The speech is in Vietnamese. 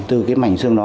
từ cái mảnh sương đó